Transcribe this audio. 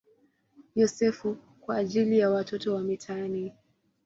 Yosefu" kwa ajili ya watoto wa mitaani.